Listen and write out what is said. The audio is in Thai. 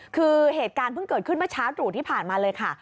คือเหตุการณ์เพิ่งเกิดขึ้นเมื่อเช้าตรู่ที่ผ่านมาเลยค่ะ